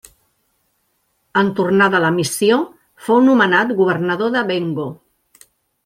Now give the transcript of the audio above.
En tornar de la missió fou nomenat governador de Bengo.